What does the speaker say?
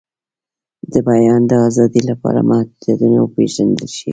د بیان د آزادۍ لپاره محدودیتونه وپیژندل شي.